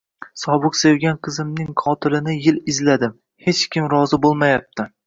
Sobiq sevgan qizimning qotilini yil izladim! Hech kim rozi bo'lmayapti...